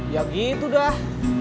ya gitu dah